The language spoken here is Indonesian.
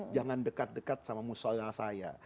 jangan dekat dekat sama musola saya